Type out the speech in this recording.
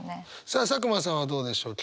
さあ佐久間さんはどうでしょう？